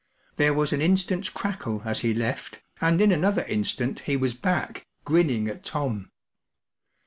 There was an instant's crackle as he left, and in another instant he was back, grinning at Tom.